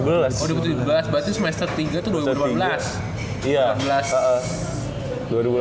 berarti semester tiga tuh dua ribu delapan belas